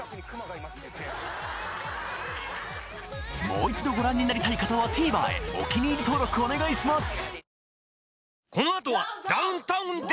もう一度ご覧になりたい方はＴＶｅｒへお気に入り登録お願いします！